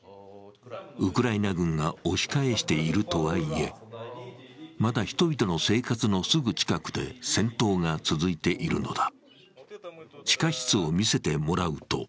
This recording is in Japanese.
ウクライナ軍が押し返しているとはいえ、まだ人々の生活のすぐ近くで戦闘が続いているのだ。